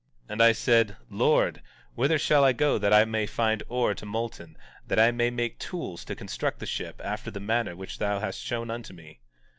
17:9 And I said: Lord, whither shall I go that I may find ore to molten, that I may make tools to construct the ship after the manner which thou hast shown unto me?